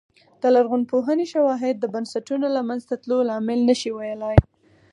د لرغونپوهنې شواهد د بنسټونو له منځه تلو لامل نه شي ویلای